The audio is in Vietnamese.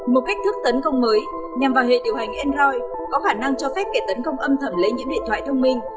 một cách thức tấn công mới nhằm vào hệ điều hành android có khả năng cho phép kẻ tấn công âm thầm lấy những điện thoại thông minh